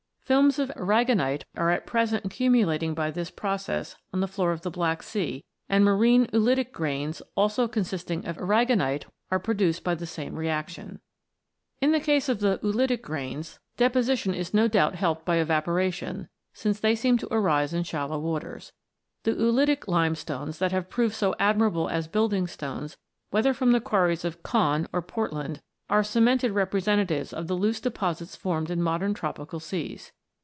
Films of aragonite are at present accumulating by this process on the floor of the Black Sea, and marine oolitic grains, also consisting of aragonite, are produced by the same reaction. In the case of oolitic grains, deposition is no doubt 18 ROCKS AND THEIR ORIGINS [CH. helped by evaporation, since they seem to arise in shallow waters. The Oolitic Limestones that have proved so admirable as building stones, whether from the quarries of Caen or Portland, are cemented repre sentatives of the loose deposits formed in modern tropical seas.